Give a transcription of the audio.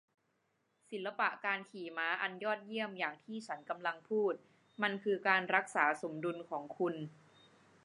ศิลปะการขี่ม้าอันยอดเยี่ยมอย่างที่ฉันกำลังพูด มันคือการรักษาสมดุลของคุณ